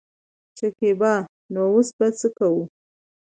شکيبا : نو اوس به څه کوو.